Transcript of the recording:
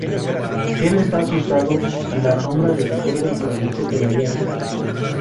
Él está asustado y la sombra le recuerda el juramento que le había hecho.